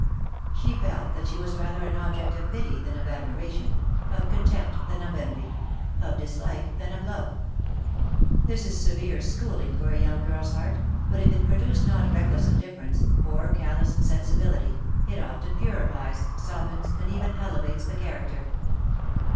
She felt that she was rather an object of pity than of admi ration, of contempt than of envy, of dislike than of love. This is severe schooling for a young girl's heart, but if it produce not reckless indifference, or callous insensibility, it often purifies, softens, and even elevates the character.